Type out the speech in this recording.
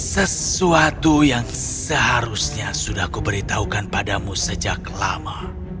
sesuatu yang seharusnya sudah kuberitahukan padamu sejak lama